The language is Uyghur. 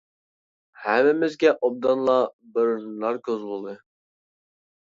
ھەممىمىزگە ئوبدانلا بىر ناركوز بولدى!